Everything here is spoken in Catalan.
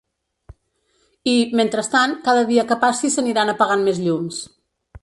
I, mentrestant, cada dia que passi s’aniran apagant més llums.